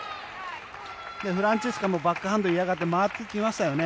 フランツィスカもバックハンドを嫌がって回ってきましたよね。